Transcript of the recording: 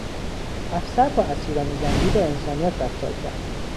افسر با اسیران جنگی با انسانیت رفتار کرد.